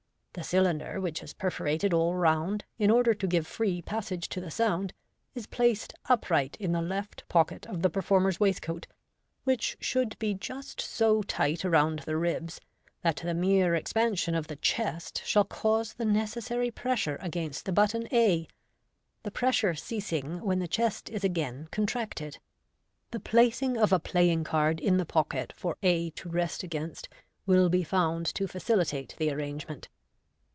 The cylinder, which is perforated all round, in order to give free passage to the sound, is placed upright in the left pocket of the pei former's waistcoat, which should be just so tight W4 M ODERN MA C/C around the ribs that the mere expansion of the chest shall cause the necessary pressure against the button a, the pressure ceasing when the chest is again contracted. (The placing of a playing card in the pocket for a to rest against will be found to facilitate the arrange ment.)